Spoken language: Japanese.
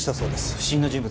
不審な人物？